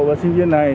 và sinh viên này